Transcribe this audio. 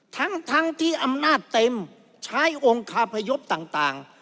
ทั้งทั้งที่อำนาจเต็มใช้องค์คาพยพต่าง